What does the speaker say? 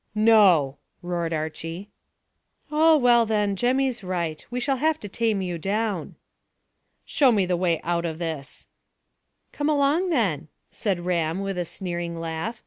"No!" roared Archy. "Oh, well then, Jemmy's right. We shall have to tame you down." "Show me the way out of this." "Come along then," said Ram with a sneering laugh.